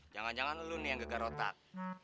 jangan jangan lo nih yang gg rotak